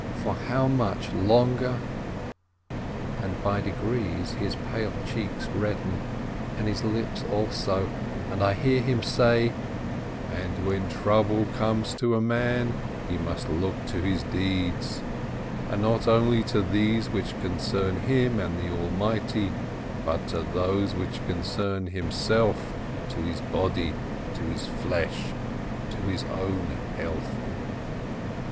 for how much longer ? And by degrees his pale cheeks redden and his lips also, and I hear him say: "And when trouble comes to a man, he must look to his deeds, and not only to those which concern him and the Almighty, but to those which concern himself, to his body, to his flesh, to his own health."